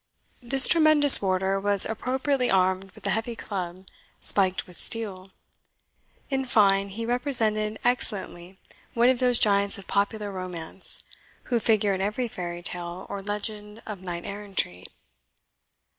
This tremendous warder was appropriately armed with a heavy club spiked with steel. In fine, he represented excellently one of those giants of popular romance, who figure in every fairy tale or legend of knight errantry.